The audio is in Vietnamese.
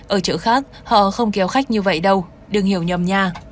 ở chỗ khác họ không kéo khách như vậy đâu đừng hiểu nhầm nha